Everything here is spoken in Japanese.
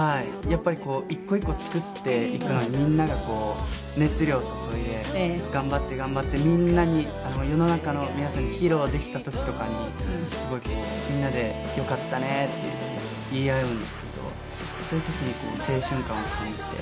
やっぱり１個１個作っていくのにみんながこう熱量を注いで頑張って頑張ってみんなに世の中の皆さんに披露できた時とかにすごいこうみんなで「よかったね」って言い合うんですけどそういう時にこう青春感を感じて。